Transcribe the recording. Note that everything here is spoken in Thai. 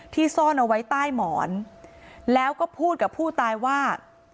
ซ่อนเอาไว้ใต้หมอนแล้วก็พูดกับผู้ตายว่า